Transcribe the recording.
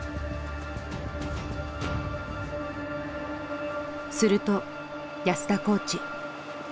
すると安田コーチ。